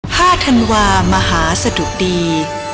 ธันวามหาสะดุดี